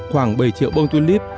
khoảng bảy triệu bông tulip